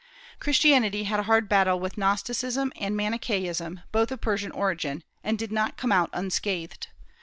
Christianity had a hard battle with Gnosticism and Manichaeism, both of Persian origin, and did not come out unscathed.